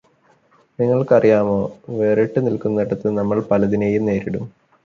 നിങ്ങൾക്ക് അറിയാമോ വേറിട്ടുനിൽക്കുന്നിടത്ത് നമ്മൾ പലതിനെയും നേരിടും